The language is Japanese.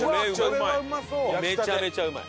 めちゃめちゃうまい。